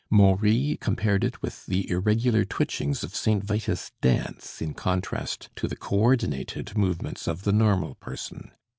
Maury compared it with the irregular twitchings of St. Vitus' Dance in contrast to the co ordinated movements of the normal person.